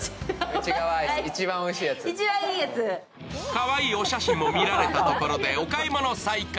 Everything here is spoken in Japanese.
かわいいお写真を見られたところで、お買い物再開。